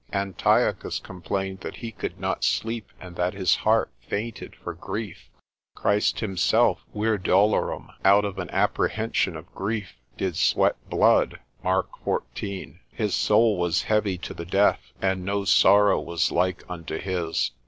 Antiochus complained that he could not sleep, and that his heart fainted for grief, Christ himself, vir dolorum, out of an apprehension of grief, did sweat blood, Mark xiv. His soul was heavy to the death, and no sorrow was like unto his.